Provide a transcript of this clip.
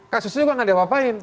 kasusnya juga gak ada yang ngapain